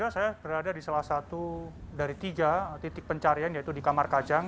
saya berada di salah satu dari tiga titik pencarian yaitu di kamar kajang